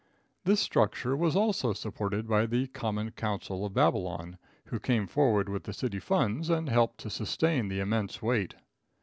This structure was also supported by the common council of Babylon, who came forward with the city funds, and helped to sustain the immense weight.